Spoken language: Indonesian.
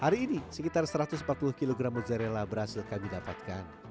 hari ini sekitar satu ratus empat puluh kg mozzarella berhasilkan didapatkan